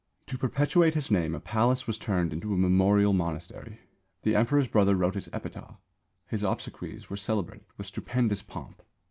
To perpetuate his name a palace was turned into a memorial monastery; the Emperor's brother wrote his epitaph; his obsequies were celebrated with stupendous pomp.